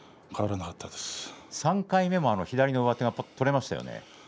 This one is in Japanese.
３回目、左の上手取れましたね。